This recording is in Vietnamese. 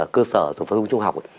cơ sở phổ thông trung học